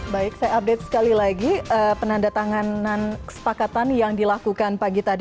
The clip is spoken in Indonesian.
baik saya update sekali lagi penanda tanganan kesepakatan yang dilakukan pagi tadi